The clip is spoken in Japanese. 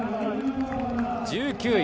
１９位。